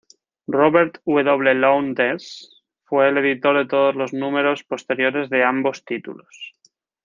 Robert W. Lowndes fue el editor de todos los números posteriores de ambos títulos.